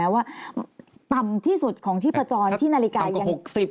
แนวว่าต่ำที่สุดของชีพจรที่นาฬิกายังจะแบนถึกได้